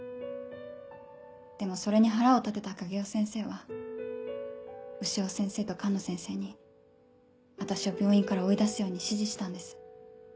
でもそれに腹を立てた影尾先生は潮先生と寒野先生に私を病院から追い出すように指示したんです。